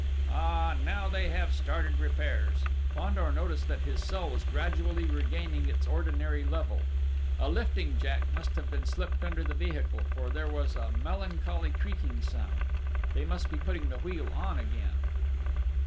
"Ah, now they have started repairs!" Fandor noticed that his cell was gradually regaining its ordinary level.... A lifting jack must have been slipped under the vehicle, for there was a melancholy creaking sound. They must be putting the wheel on again!...